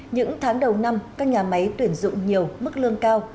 những tháng đầu năm các nhà máy tuyển dụng nhiều mức lương cao